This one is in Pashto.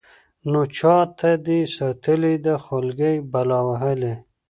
نو چاته دې ساتلې ده خولكۍ بلا وهلې.